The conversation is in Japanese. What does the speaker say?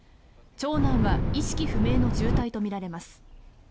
長男は意識不明の重体とみられます。